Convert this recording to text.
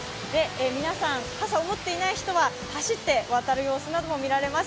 皆さん、傘を持っていない人は走って渡る様子なども見られます。